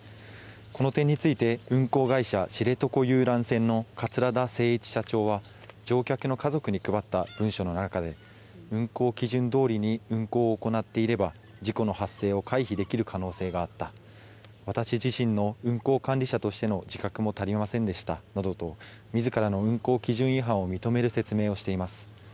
この点について運航会社、知床遊覧船の桂田精一社長は乗客の家族に配った文書の中で運航基準どおりに運航を行っていれば事故の発生を回避できる可能性があった私自身の運航管理者としての自覚も足りませんでしたなどと自らの運航基準違反を認める説明をしています。